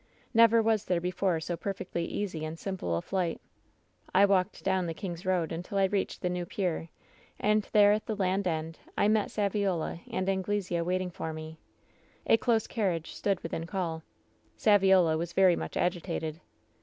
"Never was there before so perfectly easy and simple a flight "I walked down the King's Koad until I reached the new pier, and there at the land end I met Saviola and Anglesea waiting for me. A close carriage stood within call. "Saviola was very much agitated.